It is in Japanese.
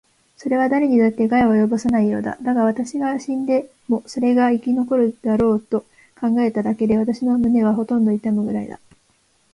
それはだれにだって害は及ぼさないようだ。だが、私が死んでもそれが生き残るだろうと考えただけで、私の胸はほとんど痛むくらいだ。